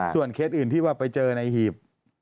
เคสอื่นที่ว่าไปเจอในหีบ